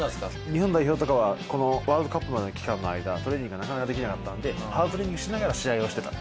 日本代表とかはワールドカップまでの間トレーニングがなかなかできなくてハードトレーニングしながら試合をしてた。